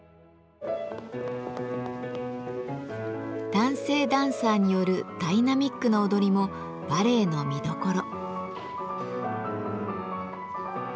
男性ダンサーによるダイナミックな踊りもバレエの見どころ。